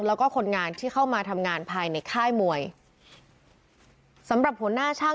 แล้วก็คนงานที่เข้ามาทำงานภายในค่ายมวยสำหรับหัวหน้าช่าง